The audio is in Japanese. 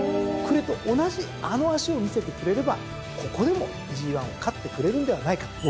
暮れと同じあの脚を見せてくれればここでもＧⅠを勝ってくれるんではないか。